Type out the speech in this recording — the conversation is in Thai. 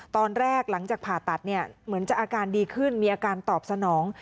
หลังจากผ่าตัดเนี่ยเหมือนจะอาการดีขึ้นมีอาการตอบสนอง